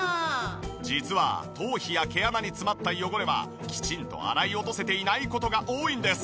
実は頭皮や毛穴に詰まった汚れはきちんと洗い落とせていない事が多いんです。